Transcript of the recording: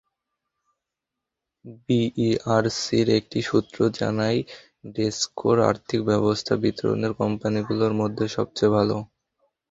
বিইআরসির একটি সূত্র জানায়, ডেসকোর আর্থিক অবস্থা বিতরণ কোম্পানিগুলোর মধ্যে সবচেয়ে ভালো।